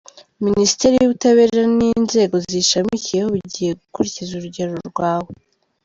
Minisiteri y’Ubutabera n’inzego ziyishamikiyeho bigiye gukurikiza urugero rwawe.